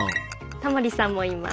タモリさんもいます。